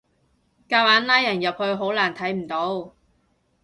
夾硬拉人入去好難睇唔到